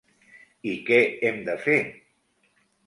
I què hem de fer?